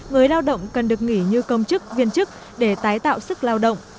người lao động cần được nghỉ như công chức viên chức để tái tạo sức lao động